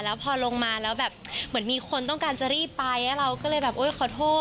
แล้วพอลงมาแล้วแบบเหมือนมีคนต้องการจะรีบไปแล้วก็เลยแบบโอ๊ยขอโทษ